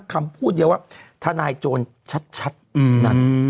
คำพูดเดียวว่าทนายโจรชัดนั้น